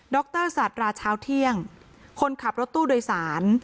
รสัตราเช้าเที่ยงคนขับรถตู้โดยสาร